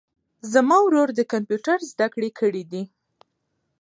زما ورور د کمپیوټر زده کړي کړیدي